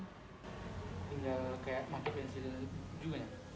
tinggal kayak pakai pensiun juga ya